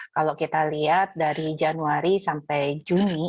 kalau kita lihat dari januari sampai juni